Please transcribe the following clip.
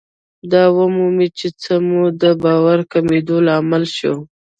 دا ومومئ چې څه مو د باور کمېدو لامل شو.